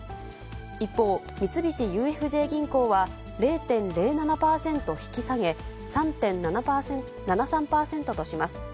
一方、三菱ＵＦＪ銀行は、０．０７％引き下げ、３．７３％とします。